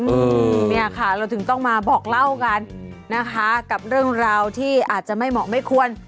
อืมเนี่ยค่ะเราถึงต้องมาบอกเล่ากันนะคะกับเรื่องราวที่อาจจะไม่เหมาะไม่ควร